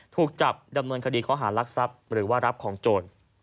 ถูกจับดำเนินคดีข้อหารักทรัพย์หรือว่ารับของโจร